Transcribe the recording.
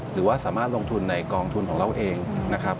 หรือว่าสามารถลงทุนในกองทุนของเราเองนะครับ